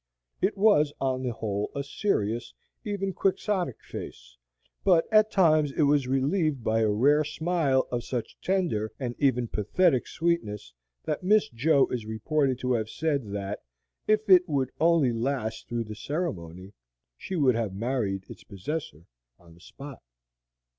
It was on the whole a serious, even Quixotic face, but at times it was relieved by a rare smile of such tender and even pathetic sweetness, that Miss Jo is reported to have said that, if it would only last through the ceremony, she would have married its possessor on the spot.